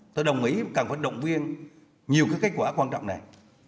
tôi đồng ý cần phải động viên nhiều kết quả quan trọng này